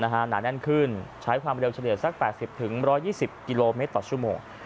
หนาแน่นขึ้นใช้ความเร็วเฉลี่ยสัก๘๐๑๒๐กิโลเมตรต่อชั่วโมง